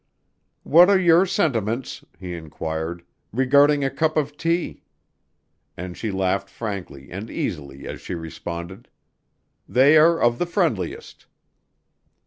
"What are your sentiments," he inquired, "regarding a cup of tea?" And she laughed frankly and easily as she responded: "They are of the friendliest."